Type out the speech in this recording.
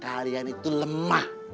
kalian itu lemah